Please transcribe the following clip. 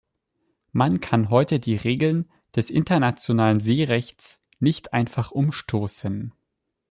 Man kann heute die Regeln des internationalen Seerechts nicht einfach umstoßen.